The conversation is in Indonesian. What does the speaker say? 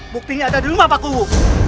buktinya ada di rumah pak kubu